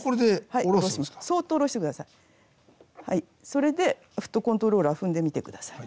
それでフットコントローラー踏んでみて下さい。